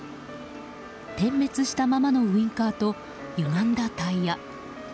点滅したままのウインカーとゆがんだタイヤ。